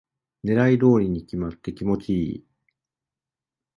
狙い通りに決まって気持ちいい